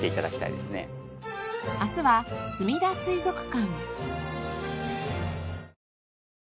明日はすみだ水族館。